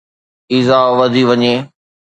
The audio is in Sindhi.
ايذاءُ وڌي وڃي